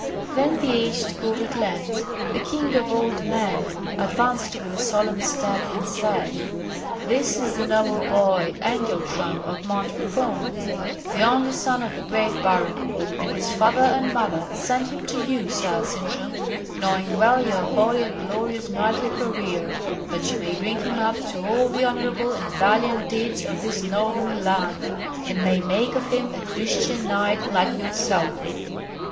Then the aged Gotthard Lenz, the king of old men, advanced with a solemn step, and said "This is the noble boy Engeltram of Montfaucon, the only son of the great baron; and his father and mother send him to you, Sir Sintram, knowing well your holy and glorious knightly career, that you may bring him up to all the honourable and valiant deeds of this northern land, and may make of him a Christian knight, like yourself."